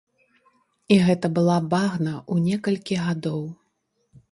І гэта была багна ў некалькі гадоў.